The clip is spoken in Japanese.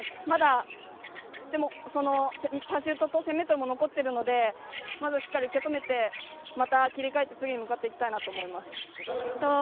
まだ、でも、パシュートと１０００ｍも残っているのでまずしっかり受け止めてまた切り替えて次へ向かっていきたいなと思います。